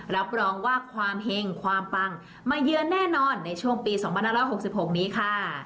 รับรองว่าความเห็งความปังมาเยือนแน่นอนในช่วงปี๒๕๖๖นี้ค่ะ